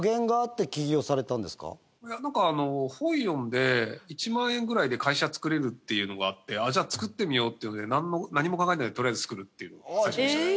いやなんかあの本読んで１万円ぐらいで会社つくれるっていうのがあってじゃあつくってみようっていうので何も考えてなくてとりあえずつくるっていう最初でしたね。